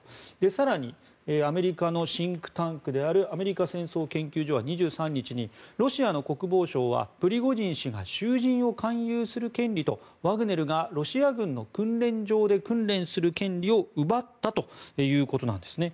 更にアメリカのシンクタンクであるアメリカ戦争研究所は２３日にロシアの国防省はプリゴジン氏が囚人を勧誘する権利とワグネルがロシア軍の訓練場で訓練する権利を奪ったということなんですね。